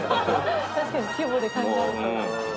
確かに規模で考えると。